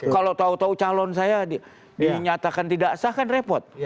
kalau tahu tahu calon saya dinyatakan tidak sah kan repot